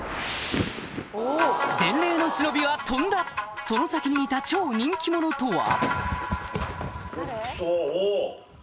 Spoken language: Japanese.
伝令の忍びは飛んだその先にいた超人気者とは？